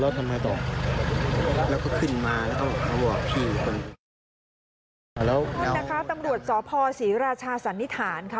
แล้วท่านนะคะตำรวจสพศรีราชาสันนิษฐานค่ะ